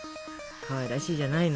かわいらしいじゃないの。